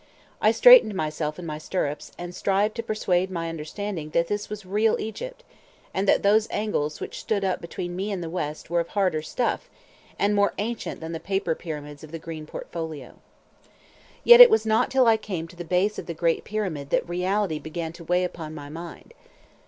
I straightened myself in my stirrups, and strived to persuade my understanding that this was real Egypt, and that those angles which stood up between me and the West were of harder stuff, and more ancient than the paper pyramids of the green portfolio. Yet it was not till I came to the base of the great Pyramid that reality began to weigh upon my mind.